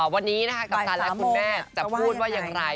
วันนี้นะคะกัปตันและคุณแม่จะพูดว่าอย่างไร